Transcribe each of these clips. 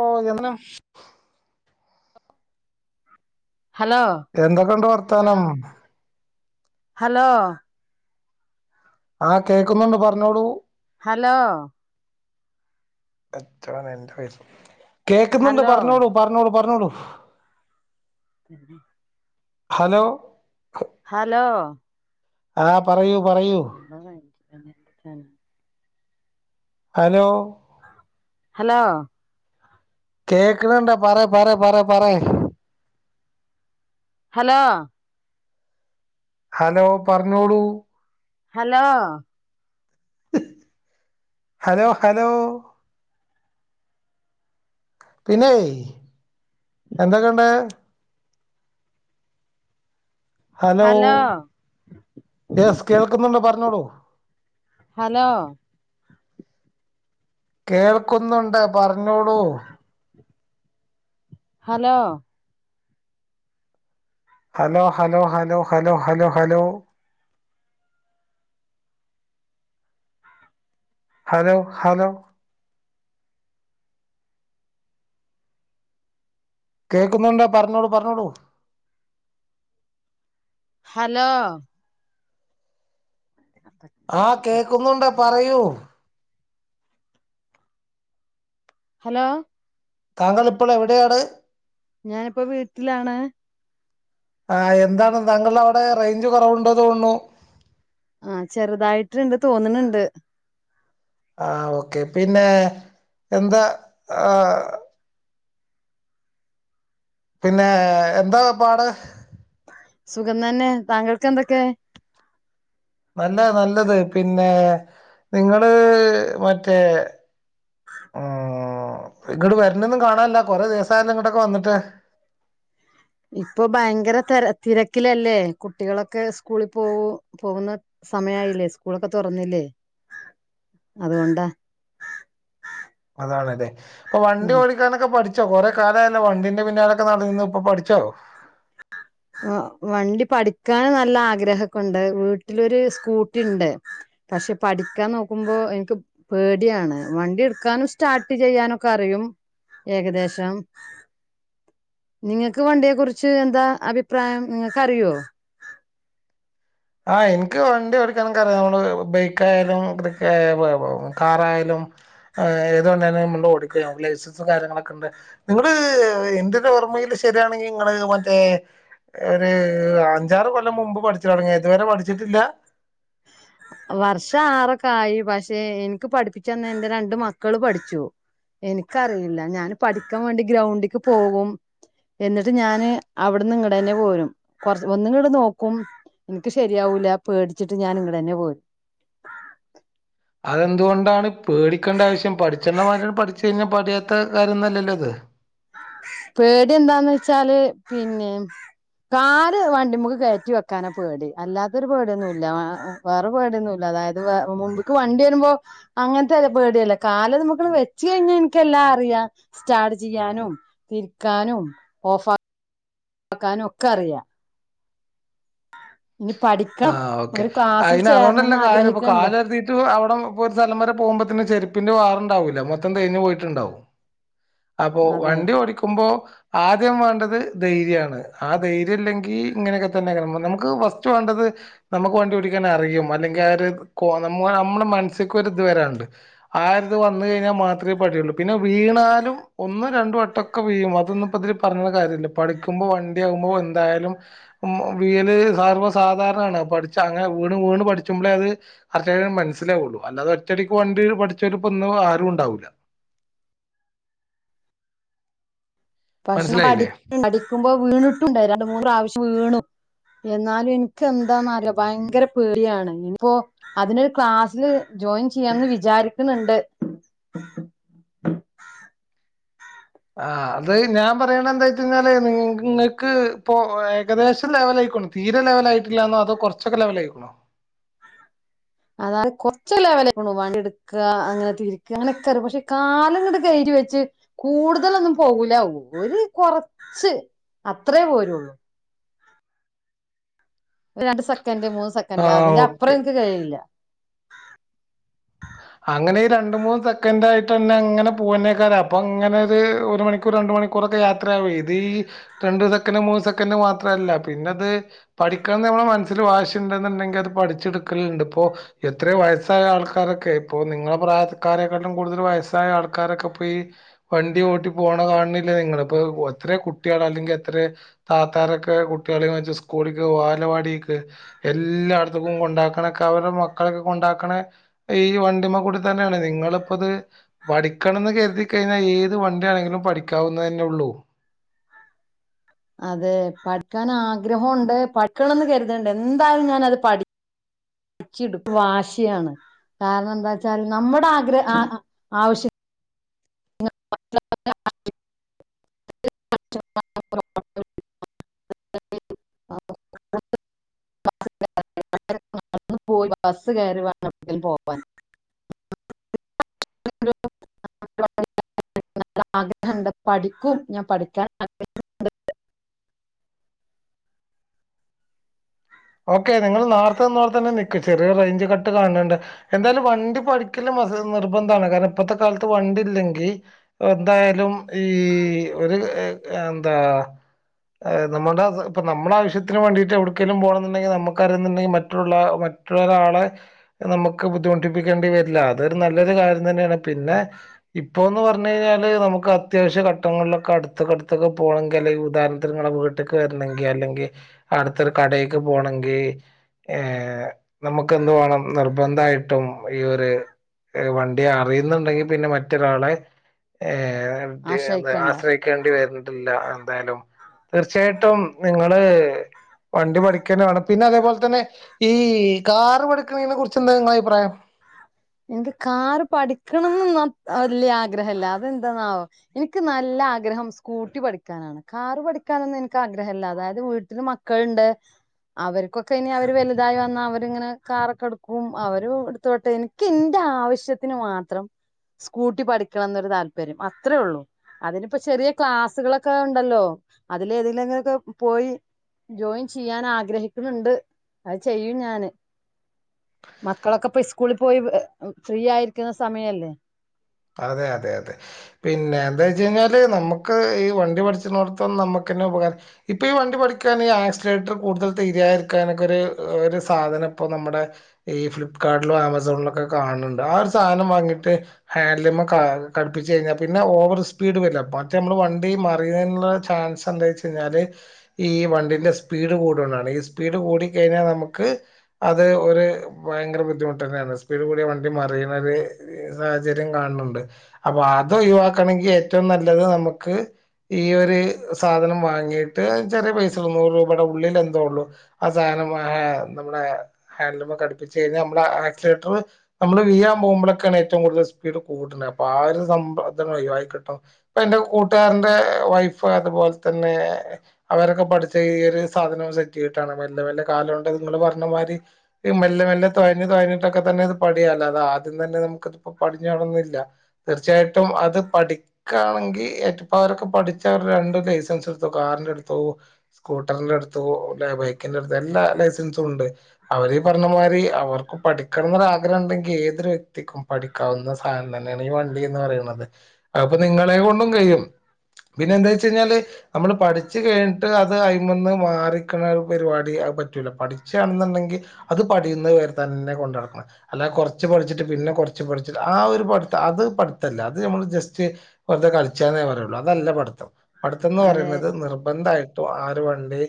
ഓഹ് എന്നും ഹലോ എന്തൊക്കെണ്ട് വർത്താനം ഹലോ ആഹ് കേൾക്കുന്നുണ്ട് പറഞ്ഞോളൂ ഹലോ കേക്ക്ന്ന്ണ്ട് ഹലോ പറഞ്ഞോളൂ പർഞ്ഞോളൂ പർഞ്ഞോളൂ ഞാനേ ഹലോ ഹലോ ആഹ് പറയൂ പറയൂ [unintelligible] വാണ് [unintelligible] ഞാന് ഹലോ ഹലോ കേക്ക്ണ് ണ്ട് പറയ് പറയ് പറയ് പറയ് ഹലോ ഹലോ പർഞ്ഞോളൂ ഹലോ ഹലോ ഹലോ പിന്നെയ് എന്തെക്കെണ്ട് ഹലോ യെസ് കേൾക്ക്ന്ന്ണ്ട് പർഞ്ഞോളു ഹലോ കേൾക്കുന്നുണ്ട് പറഞ്ഞോളൂ hello hello hello hello hello hello hello hello hello കേക്കുന്നുണ്ട് പർഞ്ഞോളു പർഞ്ഞോളൂ ഹലോ ആഹ് കേക്കുന്നുണ്ട് പറയൂ ഹലോ താങ്കൾ ഇപ്പോൾ എവിടെയാണ് ഞാനിപ്പ വീട്ടിലാണ് ആഹ് എന്താണ് താങ്കള്ടെ അവിടെ റേയ്ഞ്ച് കൊറവുണ്ട് തോൺണു ആഹ് ചെറുതായിട്ട് ഇണ്ട് തോന്ന്ണ് ണ്ട് ആഹ് ഓക്കെ പിന്നെ എന്താ ആഹ് പിന്നെ എന്താ പാട് സുഖം തന്നെ താങ്കൾക്ക് എന്തെക്കെ എന്താ നല്ലത് പിന്നെ നിങ്ങള് മറ്റേ ഉം ഇങ്ങട് വെര്നൊന്നും കാണാല്ല കൊറെ ദിവസായാല്ലോ ഇങ്ങട്ടൊക്കെ വന്ന്ട്ട് ഇപ്പൊ ഭയങ്കര തെര തിരക്കിലല്ലേ കുട്ടികളൊക്കെ സ്കൂളി പോവും പോകുന്ന സമയായില്ലേ സ്കൂളൊക്കെ തൊറന്നില്ലേ അതുകൊണ്ടാ അതാണ്ല്ലേ ഇപ്പ വണ്ടി ഉം ഓടി ക്കാനൊക്കെ പഠിച്ചോ കൊറെ കാലായല്ലോ വണ്ടിന്റെ പിന്നാലൊക്കെ നടന്നീന്നു ഇപ്പൊ പഠിച്ചോ ഇഹ് വണ്ടി പഠിക്കാന് നല്ല ആഗ്രഹൊക്കെ ഉണ്ട് വീട്ട്ലൊര് സ്കൂട്ടി ഇണ്ട് പക്ഷെ പഠിക്ക്യാൻ നോക്കുമ്പൊ എനിക്ക് പേടിയാണ് വണ്ടി ഇട്ക്കാനും സ്റ്റാർട്ട് ചെയ്യാനൊക്കെ അറിയും ഏകദേശം നിങ്ങക്ക് വണ്ടിയെ കുറിച്ച് എന്താ അഭി പ്രായം നിങ്ങക്ക് അറിയോ ആഹ് എനിക്ക് വണ്ടി ഓടിക്കാനൊക്കെറിയാം ഇപ്പ മ്മള് ബൈക്കായാലും ഇത്ക്കെ ആയാ വ് വെ കാറായാലും ആഹ് ഞാൻ ഏത് വണ്ടിയാണേലും മ്മൾത് ഓടിക്കും ഞാൻ ലൈസൻസും കാര്യങ്ങളൊക്കെ ഇണ്ട് നിങ്ങള് ഇന്റൊരു ഓർമ്മയില് ശരിയാണെങ്കിൽ ഇങ്ങള് മറ്റേ ഒര് അഞ്ചാറ് കൊല്ലം മുമ്പ് പഠിച്ച് തൊടങ്ങ്യാ ഇതുവരെ പഠിച്ചിട്ടില്ല വർഷ ആറൊക്കെ ആയി പക്ഷെ എനിക്ക് പഠിപ്പിച്ച്ന്ന എൻ്റെ രണ്ട് മക്കള് പഠിച്ചു എനിക്കറിയില്ല ഞാന് പഠിക്കാൻ വേണ്ടി ഗ്രൗണ്ടിക്ക് പോവും എന്നിട്ട് ഞാന് അവിടന്ന് ഇങ്ങടെന്നെ പോരും കൊറ ഒന്ന് ഇങ്ങട് നോക്കും എനിക്ക് ശരിയാവൂല പേടിച്ചിട്ട് ഞാൻ ഇങ്കടെന്നെ പോരും അതെന്തുകൊണ്ടാണ് പേടിക്കേണ്ട ആവശ്യം പഠിച്ചേണ്ടമാരിണ്ട് പഠിച്ചു കഴിഞ്ഞാൽ പഠിയാത്ത കാര്യന്ന് അല്ലല്ലോ ഇത് പേടി എന്താന്ന് വെച്ചാല് പിന്നേം കാല് വണ്ടിമക്ക് കേറ്റി വെക്കാനാ പേടി അല്ലാത്തൊരു പേടിയൊന്നു ഇല്ല ആഹ് ഉം വേറെ പേട്യൊന്നും ഇല്ല അതായത് വേ മുമ്പിക്ക് വണ്ടി വരുമ്പോ അങ്ങനത്തെല്ല പേടി അല്ല കാല് അതുമുക്ക്ന്ന് വെച്ച് കഴിഞ്ഞാൽ എനിക്കെല്ലാം അറിയാം സ്റ്റാട് ചെയ്യാനും തിരിക്കാനും ഓഫാ ക്കാനും ഒക്കെ അറിയാം ഇനി പഠി ആഹ് ഓക്കെ അയിന് അതൊണ്ടല്ല കാര്യം ഇപ്പൊ ആഗ്രഹിക്കണ്ട് കാലരുതി റ്റു അവിടെ ഇപ്പോ ഒരു സ്ഥലം വരെ പോവുമ്പത്തീനും ചെരുപ്പിന്റെ വാറുണ്ടാവില്ല മൊത്തം തേഞ്ഞു പോയിട്ടുണ്ടാവും അപ്പൊ അതെ വണ്ടി ഓടിക്കുമ്പോ ആദ്യം വേണ്ടത് ധൈര്യാണ് ആ ധൈര്യല്ലെങ്കി ഇങ്ങനെയൊക്കെ തന്നെ നമു നമുക്ക് ഫസ്റ്റ് വേണ്ടത് നമുക്ക് വണ്ടി ഓടിക്കാൻ അറിയും അല്ലെങ്കിൽ ആ ഒര് കോ നമ്മുടെ നമ്മളെ മനസ്സിക്ക് ഒരു ഇത് വരാഉണ്ട് ആ ഒരിത് ഇത് വന്ന കഴിഞ്ഞാ മാത്രേ പഠിയുള്ളൂ പിന്നെ വീണാലും ഒന്ന് രണ്ടും വട്ടം ഒക്കെ വീയും അതൊന്നുംപ്പതില് പറഞ്ഞണ കാര്യല്ല പഠിക്കുമ്പോ വണ്ടിയാകുമ്പോ എന്തായാലും ഉം ഓഹ് വിഴല് സർവ്വസാധാരണാണ് പഠിച്ച അങ്ങനെ വീണ് വീണ് പഠിച്ച്മ്പളെ അത് അതെ മനസ്സിലാവുള്ളു അല്ലാതെ ഒറ്റടിക്ക് വണ്ടി പഠിച്ചോര്പ്പ ഇന്ന് ആരും ഉണ്ടാവൂല്ല പക്ഷെ ഞാൻ മനസ്സിലായില്ലേ പഠി പഠിക്കുമ്പോ വീണിട്ടുണ്ടേ രണ്ട് മൂന്ന് പ്രാവശ്യം വീണു എന്നാലും എനിക്ക് എന്താന്നറില്ല ഭയങ്കര പേടിയാണ് ഇനിപ്പോ അതിനൊരു ക്ലാസ്സില് ജോയിൻ ചെയ്യാന്ന് വിചാരിക്കണ് ഇണ്ട് ആഹ് അത് ഞാൻ പറയണ് എന്താച്ചഴിഞ്ഞാല് നി നിങ്ങക്ക് ഇപ്പോ ഏകദേശം ലെവലായികൊണ്ട് തീരെ ലെവലായിട്ടില്ലന്നോ അതൊ കൊറച്ചൊക്കെ ലെവലായിക്ക്ണോ അതായത് കൊറച്ച് ലെവലായിക്ക്ണു വണ്ടിയെട്ക്ക അങ്ങനെ തിരിക്ക അങ്ങനെക്കറിയാ പക്ഷെ കാല്ങ്ങ്ട് കേറ്റി വെച്ച് കൂടുതലൊന്നും പോകൂല ഒരു കൊറച്ച് അത്രേ പോരുള്ളൂ ഒരു രണ്ട് സെക്കന്റ് മൂന്ന് സെക്കന്റ് ആഹ് അതിന്റെ ഓക്കെ അപ്പുറെ എനിക്ക് കഴില്ല മ് അങ്ങനെ ഈ രണ്ട് മൂന്ന് സെക്കന്റായിട്ടെന്ന അങ്ങനെ പോകുന്നായിക്കാരം അപ്പൊ അങ്ങനൊര് ഒരുമണിക്കൂറ് രണ്ട് മണി ക്കൂറൊക്കെ യാത്രയാവെ ഇതീ രണ്ട് സെക്കന്റ് മൂന്ന് സെക്കന്റ് മാത്രല്ല പിന്നത് പഠിക്കണം എന്ന്ള്ള മനസ്സില് വാശിയ്ണ്ട്ന്ന്ണ്ടെങ്കി അത് പഠിച്ചെട്ക്കല്ണ്ട് ഇപ്പൊ എത്രയോ വയസ്സായ ആൾ ക്കാരൊക്കെ ഇപ്പൊ നിങ്ങളെ പ്രായക്കാരെക്കാട്ടിലും കൂടുതൽ വയസ്സായ ആൾക്കാരൊക്ക്പ്പീ വണ്ടി ഒട്ടി പോണ കാണ്ണ്ഇല്ലേ നിങ്ങളിപ്പോ എത്രയൊ കുട്ടികൾ അല്ലെങ്കി എത്രയാ താത്താരൊക്കെ കുട്ടികളേം വെച്ച് സ്കൂളിക്ക് വാലവാടിക്ക് എല്ലാ എടത്ത്ക്കും കൊണ്ടാക്കണെക്കെ അവരുടെ മക്കളെക്കെ കൊണ്ടാക്കണെ ഈ വണ്ടിമ്മ കൂടിതന്നെയാണ് നിങ്ങളിപ്പ്ത് പഠിക്കണംന്ന് കരുതി കഴിഞ്ഞാ ഏത് വണ്ടിയാണെങ്കിലും പഠിക്കാവുന്ന തന്നെ ഉള്ളൂ അതെ പഠിക്കാൻ ആഗ്രഹുണ്ട് പഠിക്കണംന്ന് കര്ത്ണ്ട് എന്തായാലും ഞാനത് പഠി ച്ചെട്ക്കും വാശിയാണ് കാരണം എന്താവച്ചാൽ നമ്മുടെ ആഗ്ര ആവശ്യം [unintelligible] [unintelligible] [unintelligible] നടന്ന് പോയി ബസ്സ് കേറിവെണം എവിടെക്കെങ്കിലും പോവാൻ [unintelligible] [unintelligible] ആഗ്രഹ്ണ്ട് പഠിക്കും ഞാൻ പഠിക്കാൻ ശ്രമിക്കും [unintelligible] ഓക്കെ നിങ്ങള് നേർത്തെ നിന്നോടത്ത് തന്നെ നിക്ക് ചെറിയൊരു റേഞ്ച് ക- ട്ട് കാണ്ണ്ണ്ട് എന്തായാലും വണ്ടി പടിക്കല് നിർബന്ധാണ് കാരണം ഇപ്പത്തെ കാലത്ത് വണ്ടിയില്ലെങ്കി- എന്തായാലും ഈ ഒര് എന്താ- നമ്മടെ ഇപ്പ നമ്മടെ ആവശ്യത്തിന് വേണ്ടീട്ടെ എവിടെക്കെങ്കിലും പോണോ - എന്നൊണ്ടെങ്കി നമ്മക്ക് അറിയുന്നൊണ്ടെങ്കി മറ്റുള്ള മറ്റുള്ള ഒരാളെ - നമുക്ക് ബുദ്ധിമുട്ടിപ്പിക്കേണ്ടി വരില്ല അതൊരു നല്ലൊരു കാര്യം തന്നെയാണ് പിന്നെ- ഇപ്പോന്ന് പറഞ്ഞു കഴിഞ്ഞാല് നമുക്ക് അത്യാവശ്യ ഘട്ടങ്ങളിലൊക്കെ അടുത്തടുത്തൊക്കെ പോണെങ്കി അല്ലെങ്കിൽ കൂട്ടുകാരുടെ അടുത്ത് എങ്ങാനും ഇ- ഒറ്റക്ക് വരണെങ്കി അല്ലെങ്കി അടുത്തൊരു കടേക്ക് പോണെങ്കി- ഏഹ് നമുക്ക് എന്ത്‌ വേണം നിർബന്ധായിട്ടും ഈ ഓര് - വണ്ടി അറിയുന്നുണ്ടെങ്കി പിന്നെ മറ്റൊരാളെ ഏഹ് ആശ്രയിക്കണ്ട ആശ്രയി- ക്കേണ്ടി വര്ണിട്ടില്ല എന്തായാലും തീർച്ചയായിട്ടും നിങ്ങള് വണ്ടി പഠി- ക്ക തന്നെ വേണം പിന്നെ അതേ പോലെതന്നെ ഈ കാറ് പഠിക്കണെ കുറിച്ച് എന്താ നിങ്ങളെ അഭിപ്രായം എനിക്ക് കാറ് പഠിക്കണം എന്നൊന്നും വല്യ ആഗ്രഹവില്ല അത് എന്താെന്നാവോ എനിക്ക് നല്ല ആഗ്രഹം സ്കൂട്ടി പഠിക്കാനാണ് കാറ് പഠിക്കാനൊന്നും എനിക്ക് ആഗ്രഹവില്ല അതായത് വീട്ടില് മക്കള് ഇണ്ട് അവര്ക്കൊക്കെ ഇനി അവര് വലുതായിവന്ന അവര് അങ്ങനെ കാറൊക്കെട്ക്കും അവര് എടുത്തോട്ടെ ഇനി - എന്റെ ആവശ്യത്തിന് മാത്രം സ്കൂട്ടി പഠിക്കണം എന്നൊരു താല്പര്യം അത്രേയൊള്ളൂ അതിനിപ്പൊ ചെറിയ ക്ലാസ്സുകളൊക്കെ ഇണ്ടല്ലോ അതിലേതിനെങ്കിലും പോയി- ജോയിൻ ചെയ്യാൻ ആഗ്രഹിക്കുണുണ്ട് അത് ചെയ്യും ഞാന് മക്കളൊക്കെ സ്കൂളി പോയി ഫ്രീയായിരിക്കുന്ന സമയല്ലേ അതെ അതെ അതെ അതെ പിന്നെ എന്താവെച്ച് കഴിഞ്ഞാല് നമുക്ക് ഈ വണ്ടി പടിച്ച്ണോടത്തം നമുക്ക് തന്നെ ഉപകാരം ഇപ്പ ഈ വണ്ടി പഠിക്കാന് ആക്സിലേറ്റർ കൂടുതല് തിരിയാതിരിക്കാൻ ഒരു സാധനം ഇപ്പൊ നമ്മടെ ഈ ഫ്ലിപ്കാർടിലോ ആമസോണിലൊക്കെ കാണണുണ്ട് ആ ഒരു സാധനം വാങ്ങിട്ട്- ഹാൻഡലിമ്മെ ഘടുപ്പിച്ച് കഴിഞ്ഞാ പിന്നെ ഓവർ സ്പീഡ് വരില്ല പക്ഷെ നമ്മളെ വണ്ടി മറിയുന്നയിനുള്ള ചാൻസ്- എന്താ വെച്ച് കയിഞ്ഞാല് ഈ വണ്ടീന്റെ സ്പീഡ് കൂടോണ്ടാണ് ഈ സ്പീഡ് കൂടിക്കയിഞ്ഞാ നമുക്ക്- അത് ഒരു ഭയങ്കര ബുദ്ധിമുട്ടന്നെയാണ് സ്പീഡ് കൂടിയാ വണ്ടി മറിയുന്നത് സാഹ - ചര്യം കാണണുണ്ട് അപ്പൊ അത് ഒഴിവാക്കണെങ്കി ഏറ്റവും നല്ലത് നമ്ക്ക്- ഈ ഒര് സാധനം വാങ്ങീട്ട് ചെറിയ പൈസെ ഉള്ളൂ നൂറ് രൂപേടെ ഉള്ളിലെന്തോ ഉള്ളൂ ആ സാധനം മഹേ നമ്മുടെ- ഹാൻന്റ്ലുമേ കടുപ്പിച്ച് കഴിഞ്ഞാ നമ്മടെ ആക്സിലെറ്ററ് നമ്മള് വീയാൻ പോവുമ്പളാണ് ഏറ്റവും കൂടുതൽ സ്- സ്പീഡ് കൂട്ട്ണെ അപ്പൊ ആ ഒരു സംഭവം തന്നെ ഒയിവായിക്കിട്ടും ഇപ്പ എന്റെ കൂട്ടുകാരന്റെ വൈഫ് അതുപോലെ തന്നെ അവരൊക്കെ പഠിച്ച ഈ ഒരു സാധനവും സെറ്റ്‌ ചെയ്തിട്ടാണ് മെല്ലെ മെല്ലെ കാല് കൊണ്ട് നിങ്ങള് പറഞ്ഞ മാരി- ഈ മെല്ലെ മെല്ലെ തൊയഞ്ഞ് തൊയഞ്ഞിട്ടൊക്കെത്തന്നെ ഇത് പടിയെ അല്ലാതെ ആദ്യം തന്നെ നമുക്ക് ഇപ്പൊ - പഠിഞ്ഞോളന്നില്ല തീർച്ചയായിട്ടും അത് പഠി- ക്കാണെങ്കി ഇപ്പൊ ഇവരൊക്കെ പഠിച്ചവർ രണ്ടു ലൈസൻസെടുത്തു കാറിന്റെ എടുത്തു - സ്കൂട്ടറിന്റെ എടു [unintelligible] ത്ത്ലാ ബൈക്കിന്റെ ടുത്തു എല്ലാ ലൈസൻസും ഒണ്ട് അവര് ഈ പറഞ്ഞ മാരി അവർക്ക് പഠിക്കണൊന്ന് ഒരു ആഗ്രഹം ഉണ്ടെങ്കി ഏതൊരു വ്യക്തിക്കും പഠി ക്കാവുന്ന സാധനം തന്നെയാണ് ഈ വണ്ടി എന്ന് പറയുന്നത്. അപ്പ നിങ്ങളെ കൊണ്ടും കഴിയും പിന്നെ എന്താ വെച്ച് കഴിഞ്ഞാല്- അമ്മള് പഠിച്ച് കഴിഞ്ട്ട് അത് അയിമന്ന് മാറിക്ക്ണ ഒരു പരിവാടി അഅ്‌ പറ്റൂല പഠിച്ചയാണ്ന്ന്ണ്ടെങ്കി അത് പഠിയുന്നത് വരേ തന്നെ കൊണ്ട് നടക്കണം അല്ലാതെ കൊറച്ച് പഠിച്ചിട്ട് പിന്നെ കൊറ ച്ച് പഠിച്ചിട്ട് ആ ഒരു പഠിത്തം അത് പഠിത്തല്ല അത് ഞമ്മള് ജസ്റ്റ് വെറ്തെ കളിച്ചാന്നേ പറയുള്ളൂ അതല്ല പഠിത്തം പഠിത്തംന്ന് അത് പറയണത് നിർബന്ധായി ട്ടു ആ ഒരു വണ്ടി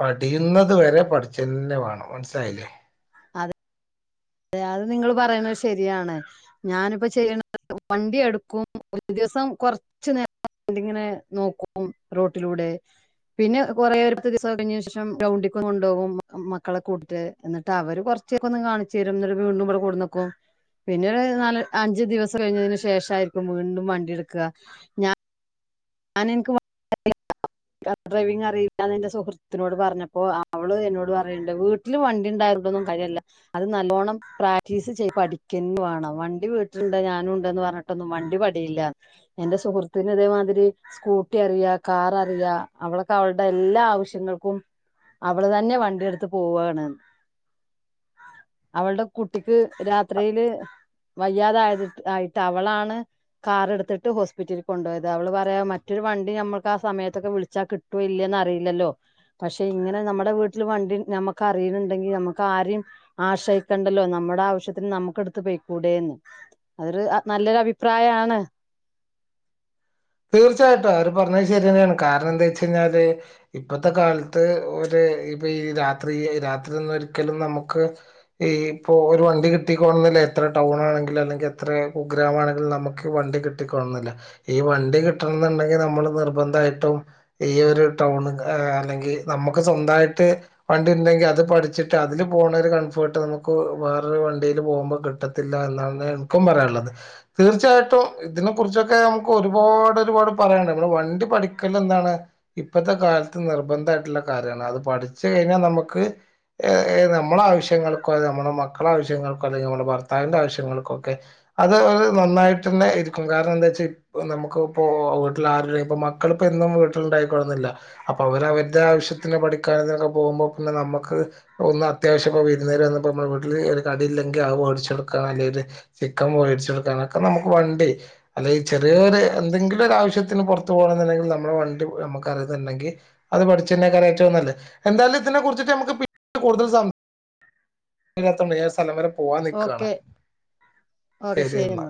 പഠിയുന്നത് വെരെ പഠിച്ചന്നെ വാണം മൻസ്സിലായിലെ? അതെ തെ അഅ്‌ നിങ്ങള് പറയണഅ്‌ ശെരിയാണ്. ഞാനിപ്പ ചെയ്യ്ണ വണ്ടി എടുക്കും ഒരു ദിവസം കൊർച്ച് ന്നേ ണ്ടിങ്ങനെ നോക്കും റോട്ടിലൂടെ പിന്നെ കൊറേ [unintelligible] [unintelligible] ശേഷം ഗ്രൗണ്ടിക്ക്‌ കൊണ്ടോവും മ മക്കളെ കൂട്ട് എന്ന്ട്ടവര് കൊർച്ചോകൊന്ന് കാണിചെരും ന്ന്ട്ട് വീണ്ടും വടേ കൊട്ന്നക്കും. പിന്നൊര് ന്നാല് അഞ്ച് ദിവസം കഴിഞേന് ശേഷായ്ര്ക്കും വീണ്ടും വണ്ടിട്ക്കാ ഞാ ഞാനിൻക്ക് [unintelligible] [inaudible] കാർ ഡ്രൈവിങ്ങറിയില്ലാനെന്റെ സുഹൃത്തിനോട് പർഞ്ഞപ്പോ അവള് എന്നോട് പറയ്ണ്ട് വ് ട്ടില് വണ്ടിണ്ടായിര് [unintelligible] കര്യല്ലാ. അത് നല്ലോണം പ്രാക്ടീസ് ചെയ് പഠിക്കന്നേ വാണം വണ്ടി വീട്ട്ല്ണ്ട് ഞാനുണ്ട്ന്ന് പർഞ് ട്ടൊന്നും വണ്ടി പടിയില്ല, എന്റെ സുഹൃത്തിന് തേമാതിരി സ്കൂട്ടി അറിയാ, കാററിയാ, അവളക്കാ അവൾടെ എല്ലാ ആവശ്യങ്ങൾക്കും അവള് തന്നെ വണ്ടിയെടുത്ത് പുവ്വാണ്. അവൾടെ കുട്ടിക്ക് രാത്രീല് വയ്യാതായതിട്ട് ആയിട്ട് അവളാണ് കാറ് എടുത്തിട്ട് ഹോസ്പിറ്റലി കൊണ്ടൊയത് അവള് പറ എ മറ്റൊരു വണ്ടി ഞമ്മക്ക് ആ സമയത്തക്ക വ്ൾച്ചാ കിട്ടോ ഇല്ലേ ന്നറീലല്ലോ. പക്ഷെ ഇങ്ങനെ ന്നമ്മടെ വ്ട്ട്ല് വണ്ടി ഞമ്മക്ക് അറിയിണ് ണ്ടെങ്കി ഞമ്മക്കാരിം ആശ്രയിക്കണ്ടല്ലോ ന്നമ്മടാവശ്യത്തിന് ന്നമ്മക്കെടുത്ത് പെയ്ക്കൂടേന്ന്. അതൊര് അ ന്നല്ലൊരഭിപ്രായാണ്. തീർച്ചയായിട്ടും അവര് പർഞഅ്‌ ശെരിന്നേണ് കാര്ണംന്തൊയ്ച്ചയ്ഞാല് ഇപ്പത്തക്കാൽത്ത് ഒര് ഇപ്പ ഈ രാത്രി രാത്രിന്നും ഒരിക്കലും നമുക്ക് ഈ പ്പോ ഒര് വണ്ടി കിട്ടിക്കോണന്നില്ല എത്ര ടൗണ് ആണെങ്കിലും അല്ലെങ്കി എത്ര കുഗ്രാമാണെങ്കിലും ന്നമുക്ക് വണ്ടി കി ട്ടിക്കോളന്നില്ല ഈ വണ്ടി കിട്ടണന്ന്ണ്ടെങ്കി ന്നമ്മള് നിർബന്തായിട്ടും ഈ ഒര് ടൗണ്ക്ക് അല്ലെങ്കി ന്നമ്മക്ക് സ്വന്തായിട്ട് വണ്ടിണ്ടെങ്കി അത് പഠിച്ചിട്ട് അതില് പോണ ഒരു കൺഫേർട്ട് നമുക്ക് വേറൊരു വണ്ടീല് പോവുംമ്പോ ക്ട്ട ത്തില്ലാ എന്നാണ് ഇൻക്കും പറയാള്ളത് തീർച്ചായിട്ടും ഇതിനെക്കുറിച്ചൊക്കെ ന്നമുകൊരു പാടൊരുപാട് പറയാണ്ട്‌ മ്മള് വണ്ടി പഠിക്കലന്താണ്? ഇപ്പത്ത കാൽത്ത് നിർബന്തായിട്ട്ള്ള കാര്യാണ് അത് പഠിച്ച് കയ്ഞ്ഞാ ന്നമുക്ക് ഏ ഏ ന്നമ്മളാവശ്യങ്ങൾക്കോ ന്നമ്മളെ മക്കളാവശ്യങ്ങൾക്കോ അല്ലെങ്കി ന്നമ്മടെ ഭർത്താവിന്റെ ആവശ്യ ങ്ങൾക്കൊക്കെ അത് അത് ന്നന്നായിട്ടന്നെ ഇര്ക്കും കാര്ണന്താച്ചാ പ്പൊ നമുക്ക്പ്പോ വീട്ട്ലാരും ഇപ്പ മക്കൾപ്പോ എന്നും വീട്ട്ല്ണ്ടായിക്കൊളണംന്നില്ല. അപ്പൊ അവര് അവര്ടെ ആവശ്യത്തിന് പഠിക്കാനിതിനൊക്കെ പോവുംമ്പോ പിന്നെ ന്നമ്മക്ക് ഒന്ന് അത്യാവശ്യപ്പോ വിര്ന്നേര് വന്നപ്പോ മ്മടെ വീട്ടില് ഒരു കടില്ലെങ്കി അത് വേട്ച്ചെടുക്കാ അല്ലേല് ചിക്കം വേട്ച്ചൊട്ക്കാനൊക്കെ നമുക്ക് വണ്ടി അല്ലെയ് ചെറീയേര് എന്തെങ്കിലൊരാവശ്യത്തിന് പൊർത്തു പോകണന്നുണ്ടെങ്കി ന്നമ്മള വണ്ടി ഞമ്മക്കറീന്ന്ണ്ടെങ്കി അത് പഠിച്ചന്നെക്കാരം ഏറ്റവും ന്നല്ലേ എന്താലും ഇതിനെ കുറിച്ചിട്ട് ഞമ്മക്ക് പി കൂടുതൽ സം ല്ലാത്തോണ്ടേ ഞാ സലം വരേ പോവാ നിക്കാണ് ഓക്കെ ഓക്കെ ശരി എന്നാ ശെരിന്നാ.